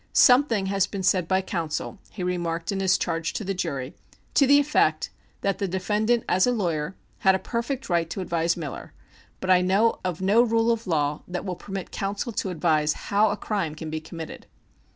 "Something has been said by counsel," he remarked in his charge to the jury, "to the effect that the defendant, as a lawyer, had a perfect right to advise Miller, but I know of no rule of law that will permit counsel to advise how a crime can be committed."